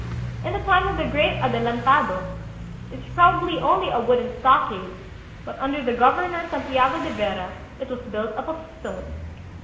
In the time of the great Adelantado it was probably only a wooden stockade, but under the governor Santiago de Vera it was built up of stone.